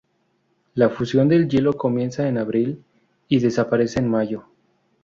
La fusión del hielo comienza en abril y desaparece en mayo.